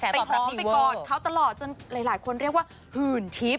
ไปพร้อมไปกอดเขาตลอดจนหลายหลายคนเรียกว่าหืนทิศ